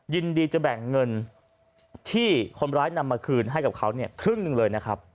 ยินดีจะแบ่งเงินที่คนร้ายนำมาคืนให้กับเขาเนี่ยครึ่งหนึ่งเลยนะครับ